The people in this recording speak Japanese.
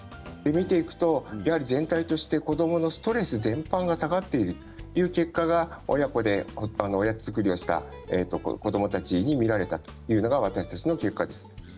見ていくと全体として子どものストレス全般が下がっているという結果が親子でおやつ作りをした子どもたちに見られたというのが私たちの結果です。